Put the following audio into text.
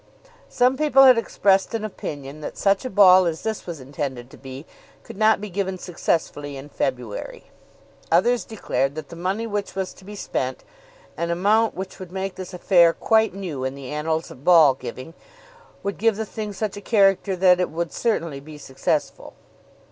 Some people had expressed an opinion that such a ball as this was intended to be could not be given successfully in February. Others declared that the money which was to be spent, an amount which would make this affair something quite new in the annals of ball giving, would give the thing such a character that it would certainly be successful.